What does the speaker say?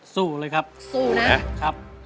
สู้เลยครับสู้นะครับ